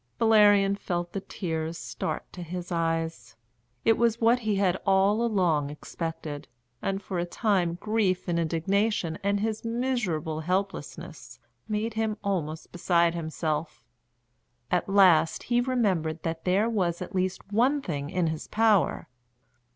Valerian felt the tears start to his eyes. It was what he had all along expected, and for a time grief and indignation and his miserable helplessness made him almost beside himself. At last he remembered that there was at least one thing in his power.